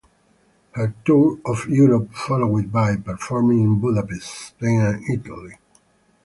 Her tour of Europe followed by performing in Budapest, Spain and Italy.